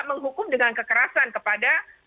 menghukum dengan kekerasan kepada